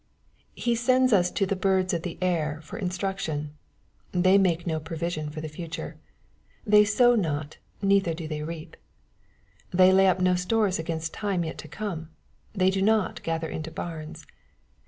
He sends us to the birds of the air for instruction. They make no provision for the future. " They sow not, neither do they reap." — They lay up no stores against lime yet to come. They do not " gather into barns."